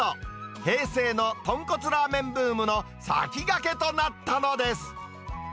平成のとんこつラーメンブームの先駆けとなったのです。